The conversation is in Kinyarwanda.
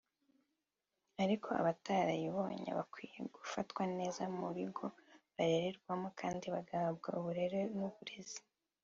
ariko abatarayibona bakwiye gufatwa neza mu bigo barererwamo kandi bagahabwa uburere n’uburezi